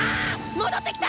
戻ってきた！